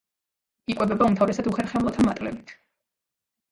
იკვებება უმთავრესად უხერხემლოთა მატლებით.